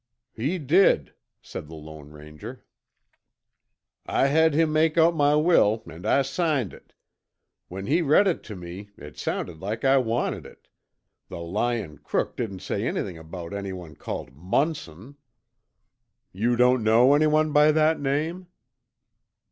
"He did," said the Lone Ranger. "I had him make out my will an' I signed it. When he read it tuh me, it sounded like I wanted it. The lyin' crook didn't say anything about anyone called Munson." "You don't know anyone by that name?"